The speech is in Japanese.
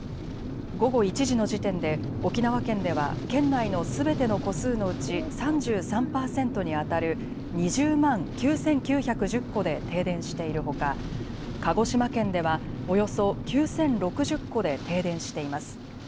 午後１時の時点で沖縄県では県内のすべての戸数のうち３３％にあたる２０万９９１０戸で停電しているほか、鹿児島県ではおよそ９０６０戸で停電しています。